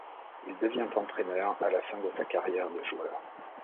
Il devient entraîneur à la fin de sa carrière de joueur.